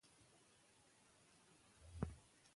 که ساز وي نو نڅا نه ودریږي.